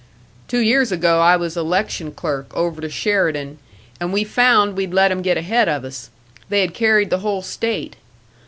"Two years ago I was election clerk, over to Sheridan, and we found we'd let 'em get ahead of us they had carried the whole state.